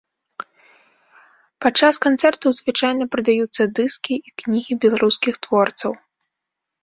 Падчас канцэртаў звычайна прадаюцца дыскі і кнігі беларускіх творцаў.